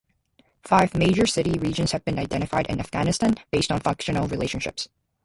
Five major city regions have been identified in Afghanistan based on functional relationships.